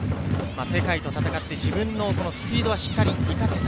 世界と戦って自分のスピードはしっかり生かせた。